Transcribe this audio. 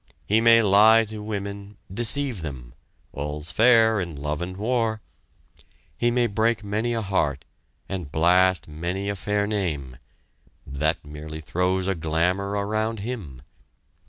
He may lie to women, deceive them "all's fair in love and war" he may break many a heart, and blast many a fair name; that merely throws a glamour around him.